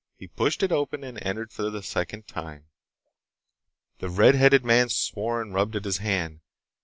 He pushed it open and entered for the second time. The red headed man swore and rubbed at his hand.